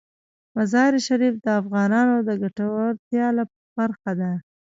مزارشریف د افغانانو د ګټورتیا برخه ده.